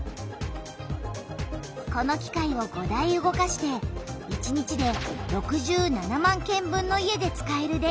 この機械を５台動かして１日で６７万軒分の家で使える電気をつくっている。